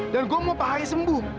dan gue mau pak haris sembuh